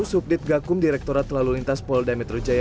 subdit gakum direkturat lalu lintas pol dametrujaya